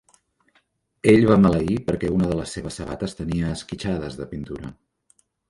Ell va maleir perquè una de les seves sabates tenia esquitxades de pintura.